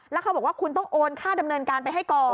แล้วเขาบอกว่าคุณต้องโอนค่าดำเนินการไปให้ก่อน